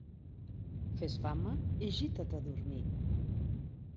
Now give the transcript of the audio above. Fes fama i gita't a dormir.